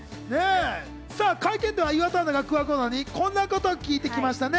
さぁ会見では、岩田アナが桑子アナにこんなことを聞いていましたね。